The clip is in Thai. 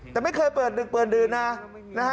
แต่ไม่เคยเปิดดึกเปิดดื่นนะนะฮะ